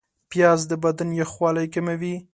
پیاز د بدن یخوالی کموي